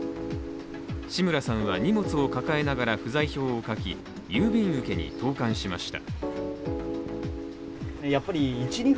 志村さんは荷物を抱えながら不在票を書き郵便受けに投かんしました。